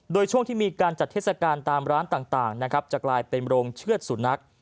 โดยช่วงที่มีการจัดเทศกาลตามร้านต่างนะครับจะกลายเป็นโรงเชื่อดสุนัข